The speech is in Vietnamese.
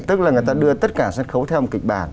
tức là người ta đưa tất cả sân khấu theo một kịch bản